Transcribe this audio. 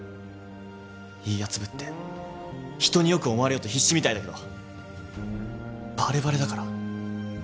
いいやつぶって人に良く思われようと必死みたいだけどバレバレだから。